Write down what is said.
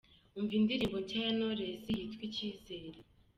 Umva indirimbo nshya ya Knowless yitwa ’Icyizere’ :.